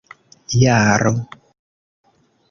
jaro